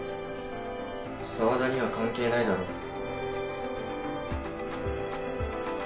沢田には関係ないだろ。